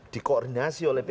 dikoordinasi oleh pps